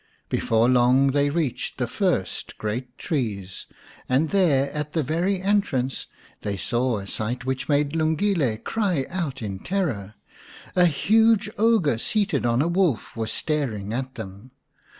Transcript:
Before long they reached the first great trees, and there at the very entrance they saw a sight which made Lungile cry out in terror. A huge ogre seated on a wolf was staring at them.